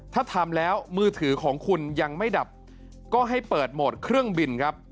ถ้าทำแล้วมือถือของคุณยังไม่ดับก็ให้เปิดโหมดเครื่องบินครับ